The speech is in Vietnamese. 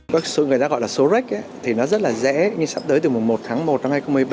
có số người ta gọi là số rách thì nó rất là dễ nhưng sắp tới từ một tháng một năm hai nghìn một mươi ba